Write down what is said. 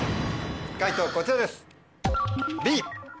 解答こちらです。